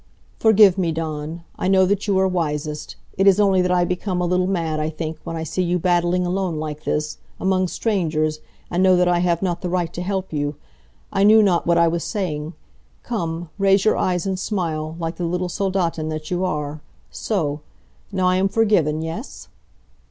"Forgive me, Dawn! I know that you are wisest. It is only that I become a little mad, I think, when I see you battling alone like this, among strangers, and know that I have not the right to help you. I knew not what I was saying. Come, raise your eyes and smile, like the little Soldatin that you are. So. Now I am forgiven, yes?"